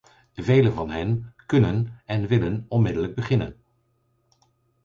Velen van hen kunnen en willen onmiddellijk beginnen.